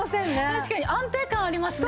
確かに安定感ありますね。